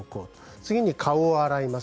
次に顔を洗います。